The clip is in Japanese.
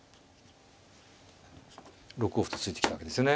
６五歩と突いてきたわけですよね。